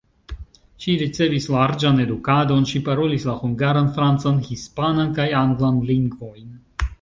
Ŝi ricevis larĝan edukadon, ŝi parolis la hungaran, francan, hispanan kaj anglan lingvojn.